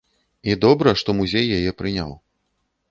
І добра, што музей яе прыняў.